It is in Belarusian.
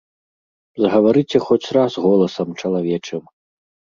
Загаварыце хоць раз голасам чалавечым.